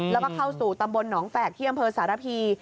แล้วก็เข้าสู่ตำบลหนองแฝกที่อำเภอสารพี